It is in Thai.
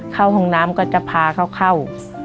เข้าห้องน้ำก็จะพาเขาเข้า